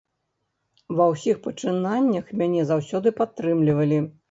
Ва ўсіх пачынаннях мяне заўсёды падтрымлівалі.